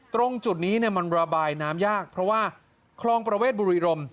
ตรงจุดนี้มันระบายน้ำยากเพราะว่าคลองประเวทบุรีรม